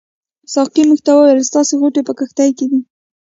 ساقي موږ ته وویل ستاسې غوټې په کښتۍ کې دي.